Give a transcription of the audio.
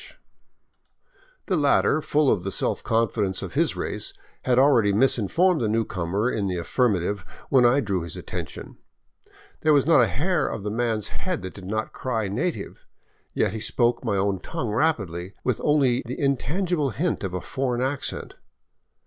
The 585 VAGABONDING DOWN THE ANDES latter, full of the self confidence of his race, had already misinformed the newcomer in the affirmative when I drew his attention. There was not a hair of the man's head that did not cry native, yet he spoke my own tongue rapidly, with only the intangible hint of a foreign accent.